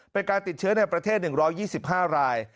เป็นการติดเชื้อในประเทศ๑๒๕ราย